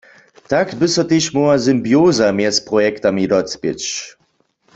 Tak by so tež móhła symbioza mjez projektami docpěc.